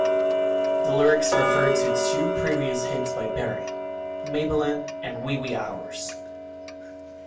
The lyrics refer to two previous hits by Berry, "Maybellene" and "Wee Wee Hours".